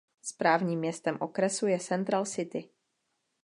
Správním městem okresu je Central City.